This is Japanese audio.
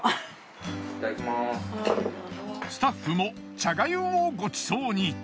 スタッフも茶がゆをごちそうに。